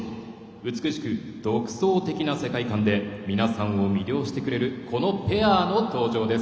美しく独創的な世界観で皆さんを魅了してくれるこのペアの登場です。